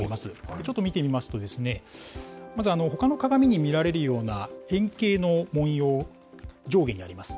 ちょっと見てみますとですね、まずほかの鏡に見られるような円形の文様、上下にあります。